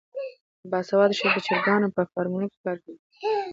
باسواده ښځې د چرګانو په فارمونو کې کار کوي.